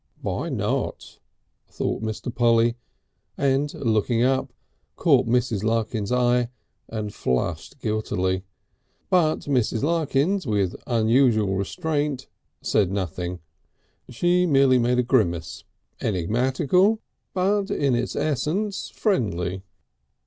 "Why not?" thought Mr. Polly, and looking up, caught Mrs. Larkins' eye and flushed guiltily. But Mrs. Larkins, with unusual restraint, said nothing. She merely made a grimace, enigmatical, but in its essence friendly.